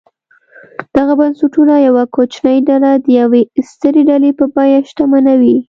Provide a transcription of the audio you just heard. دغه بنسټونه یوه کوچنۍ ډله د یوې سترې ډلې په بیه شتمنوي.